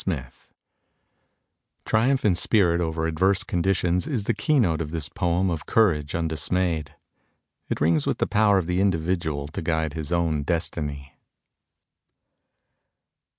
INVICTUS Triumph in spirit over adverse conditions is the keynote of this poem of courage undismayed. It rings with the power of the individual to guide his own destiny.